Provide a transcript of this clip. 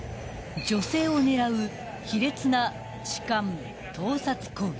［女性を狙う卑劣な痴漢盗撮行為］